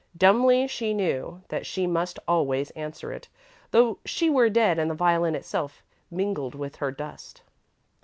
Dumbly, she knew that she must always answer it, though she were dead and the violin itself mingled with her dust.